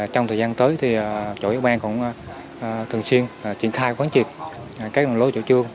trong thời gian tới chủ yếu ban cũng thường xuyên triển khai quán triệt các đoàn lối chủ trương